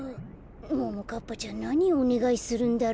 ももかっぱちゃんなにおねがいするんだろう。